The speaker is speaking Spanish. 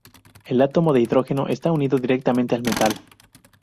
El átomo de hidrógeno está unido directamente al metal.